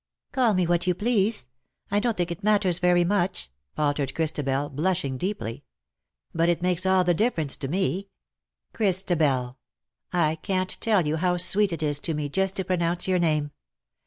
''" Call me what you please. I don't think it mat ters very much," faltered Christabel, blushing deeply. " But it makes all the difference to me. Chris tabel, I can't tell you how sweet it is to me just to pronounce your name.